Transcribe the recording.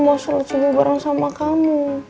mau seleksinya bareng sama kamu